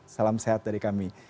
salam sehat dari kami